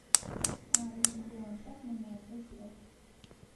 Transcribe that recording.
Ары, чемпионхэр мымакӏэу тиӏэх.